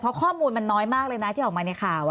เพราะข้อมูลมันน้อยมากเลยนะที่ออกมาในข่าว